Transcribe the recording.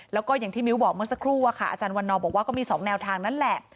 แล้วก็อย่างที่มิ้วบอกเมื่อสักครู่อะค่ะอาจารย์วันนอบอกว่าก็มี๒แนวทางนั้นแหละ